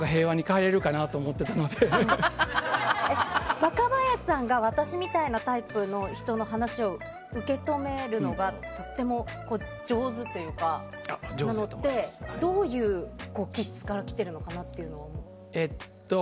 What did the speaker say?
若林さんが私みたいなタイプの人の話を受け止めるのがとても上手なのってどういう気質から来ているのかなと。